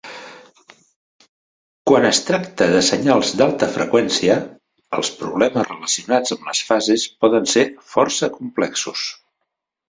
Quan es tracta de senyals d'alta freqüència, els problemes relacionats amb les fases poden ser força complexos.